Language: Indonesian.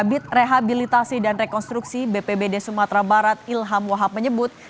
kabit rehabilitasi dan rekonstruksi bpbd sumatera barat ilham wahab menyebut